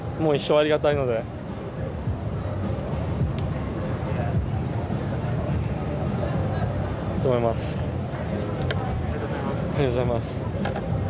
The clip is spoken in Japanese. ありがとうございます。